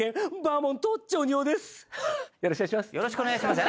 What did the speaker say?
よろしくお願いします。